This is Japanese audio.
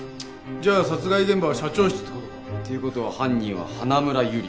じゃあ殺害現場は社長室って事か？という事は犯人は花村友梨。